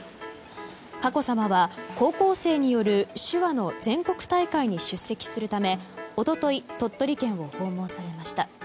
佳子さまは高校生による手話の全国大会に出席するため、一昨日鳥取県を訪問されました。